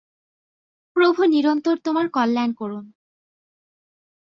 প্রভু নিরন্তর তোমার কল্যাণ করুন।